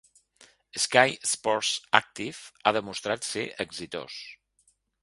Sky Sports Active ha demostrat ser exitós.